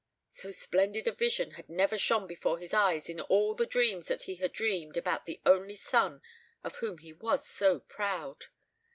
So splendid a vision had never shone before his eyes in all the dreams that he had dreamed about the only son of whom he was so proud.